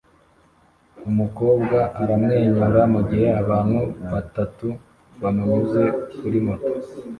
Umukobwa aramwenyura mugihe abantu batatu bamunyuze kuri moto